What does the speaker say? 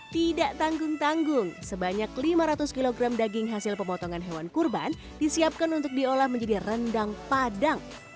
tidak tanggung tanggung sebanyak lima ratus kg daging hasil pemotongan hewan kurban disiapkan untuk diolah menjadi rendang padang